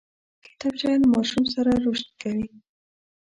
کتابچه له ماشوم سره رشد کوي